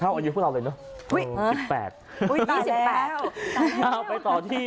เท่าอายุพวกเราเลยเนอะอุ้ยอุ้ยสิบแปดอุ้ยสิบแปดเอาไปต่อที่